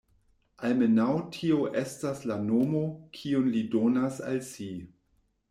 Almenaŭ tio estas la nomo, kiun li donas al si.